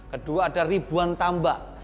kedua ada ribuan tambah